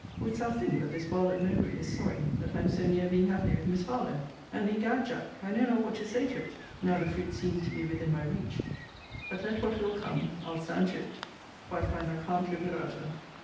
Wouldst thou think that this varlet Mowbray is sorry that I am so near being happy with Miss Harlowe? And, 'egad, Jack, I know not what to say to it, now the fruit seems to be within my reach but let what will come, I'll stand to't: for I find I can't live without her.